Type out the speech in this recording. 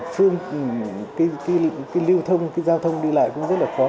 phương cái lưu thông cái giao thông đi lại cũng rất là khó